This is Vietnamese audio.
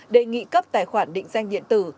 đề nghị cấp tài khoản định danh điện tử